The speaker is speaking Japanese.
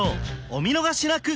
お見逃しなく！